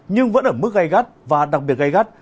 nhưng vẫn ở mức gai gắt và đặc biệt gây gắt